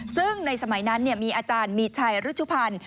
ซึ่งในสมัยนั้นมีอาจารย์มีชัยรุชุพันธ์